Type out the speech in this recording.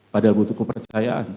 padahal butuh kepercayaan